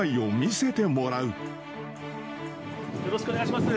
よろしくお願いします。